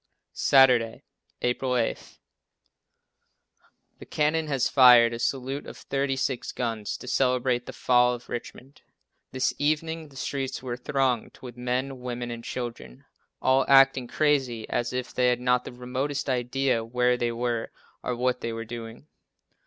Saturday, April 8. The cannon has fired a salute of thirty six guns to celebrate the fall of Richmond. This evening the streets were thronged with men, women and children all acting crazy as if they had not the remotest idea where they were or what they were doing.